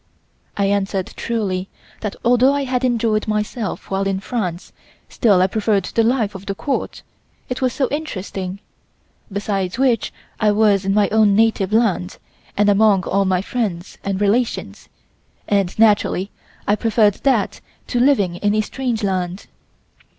I answered truly that although I had enjoyed myself while in France still I preferred the life of the Court, it was so interesting, besides which I was in my own native land and among all my friends and relations, and naturally I preferred that to living in a strange land.